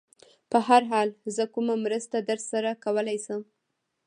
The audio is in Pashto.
په هر حال، زه کومه مرسته در سره کولای شم؟